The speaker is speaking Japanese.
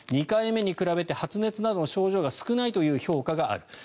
２回目に比べて発熱などの症状が少ないという報告がある。